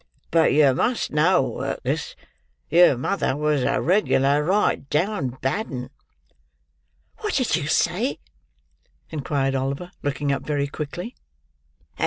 But yer must know, Work'us, yer mother was a regular right down bad 'un." "What did you say?" inquired Oliver, looking up very quickly.